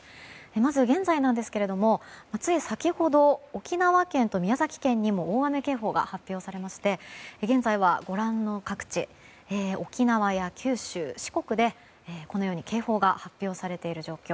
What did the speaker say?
まず現在なんですがつい先ほど沖縄県と宮崎県にも大雨警報が発表されまして現在はご覧の各地沖縄や、九州、四国で警報が発表されている状況。